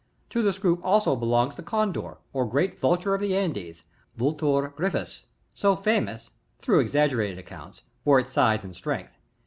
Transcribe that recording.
19. To this group also belongs the Condor, or great Vulture of the Andesy— Vultur gryphus, — so famous, through exagge rated accounts, for its size and strength.